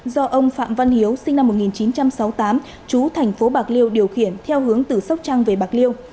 do ông phạm văn hiếu sinh năm một nghìn chín trăm sáu mươi tám chú thành phố bạc liêu điều khiển theo hướng từ sóc trăng về bạc liêu